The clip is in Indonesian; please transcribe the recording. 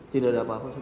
tidak ada apa apa